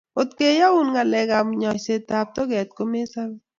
kot keaun ngalek ab nyaiset ab toget ko me sabe